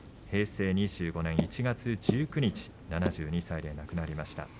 平成２５年の１月１９日７２歳で亡くなりました。